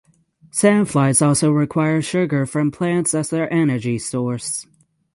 Sand flies also require sugar from plants as their energy source.